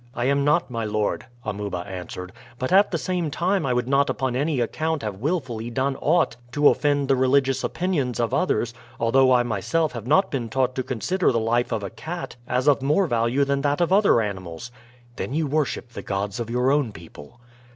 "I am not, my lord," Amuba answered; "but at the same time I would not upon any account have willfully done aught to offend the religious opinions of others, although I myself have not been taught to consider the life of a cat as of more value than that of other animals." "Then you worship the gods of your own people?"